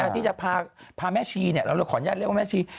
ที่จะพาแม่ชีเราขออนุญาตเรียกว่าแม่ชี